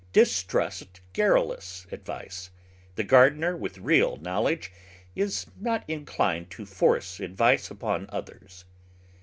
Distrust garrulous advice; the gardener with real knowledge is not inclined to force advice upon others.